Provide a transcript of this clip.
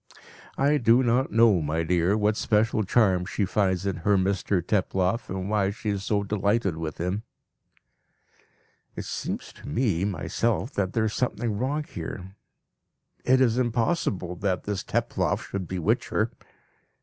"I do not know, my dear, what special charm she finds in her Mr Teploff, and why she is so delighted with him." (It seems to me myself that there is something wrong here. It is impossible that this Teploff should bewitch her.